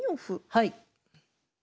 はい。